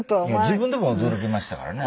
自分でも驚きましたからね